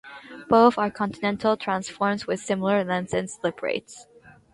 Both are continental transforms with similar lengths and slip rates.